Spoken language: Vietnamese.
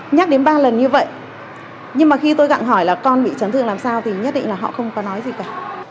nhắc đến ba lần như vậy nhưng mà khi tôi gặng hỏi là con bị chấn thương làm sao thì nhất định là họ không có nói gì cả